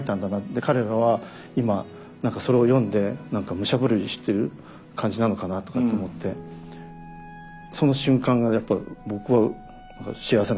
彼らは今何かそれを読んで何か武者震いしてる感じなのかなとかって思ってその瞬間がやっぱ僕は幸せな感じがしましたね。